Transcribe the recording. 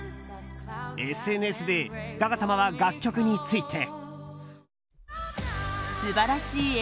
ＳＮＳでガガ様は楽曲について。